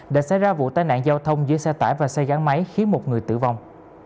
đã xảy ra vụ tai nạn giao thông giữa xe tải và xe gắn máy khiến một người tử vong